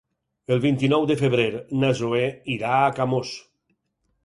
El vint-i-nou de febrer na Zoè irà a Camós.